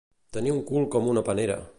Tenir un cul com una panera.